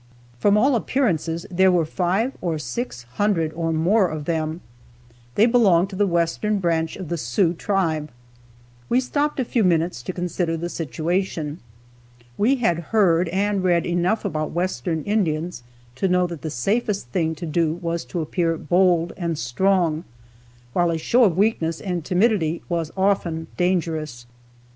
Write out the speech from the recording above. From all appearances there were five or six hundred or more of them. They belonged to the western branch of the Sioux tribe. We stopped a few minutes to consider the situation. We had heard and read enough about Western Indians to know that the safest thing to do was to appear bold and strong, while a show of weakness and timidity was often dangerous.